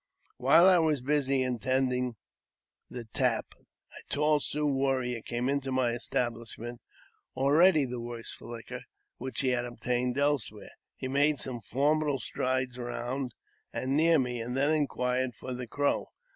While I was busy in attending the tap, a tall Sioux warrior came into my . estabUshment, already the worse for liquor, which he hadfl obtained elsewhere. He made some formidable strides round ^ and near me, and then inquired for the Crow.